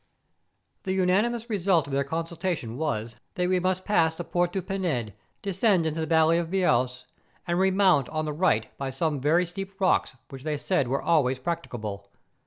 The unanimous result of their consultation was, that we must pass the ' Port de Pinede,' descend into the valley of Beousse, and remount on the right by some very steep rocks which they said were always practicable.